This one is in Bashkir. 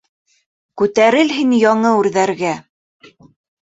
Күтәрел һин яңы үрҙәргә!